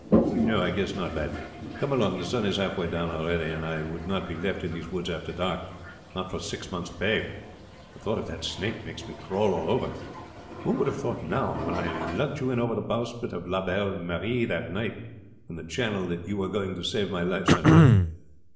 "No, I guess not, lad. Come along; the sun is halfway down already, and I would not be left in these woods after dark, not for six months' pay. The thought of that snake makes me crawl all over. Who would have thought now, when I lugged you in over the bowsprit of La Belle Marie that night in the channel, that you were going to save my life some day.